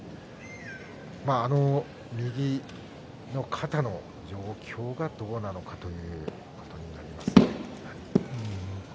右の肩の状況がどうなのかということになりますね。